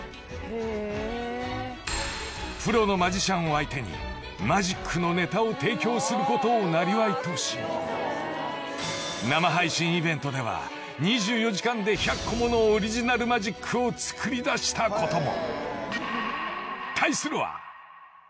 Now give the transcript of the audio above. ［プロのマジシャンを相手にマジックのネタを提供することをなりわいとし生配信イベントでは２４時間で１００個ものオリジナルマジックを作り出したことも］